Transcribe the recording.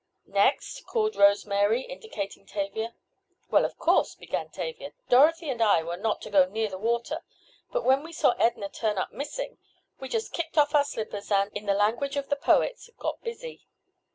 "Next," called Rose Mary, indicating Tavia. "Well, of course," began Tavia, "Dorothy and I were not to go near the water, but when we saw Edna turn up missing we just kicked off our slippers and, in the language of the poets, 'got busy.